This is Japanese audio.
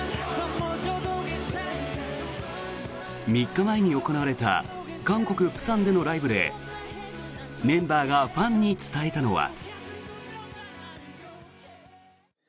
３日前に行われた韓国・釜山でのライブでメンバーがファンに伝えたのは。